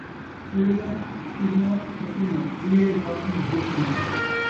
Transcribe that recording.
کیڑیاں ، چڑیاں ، ٻکریاں ، تریہے ذاتیں ہوتھریاں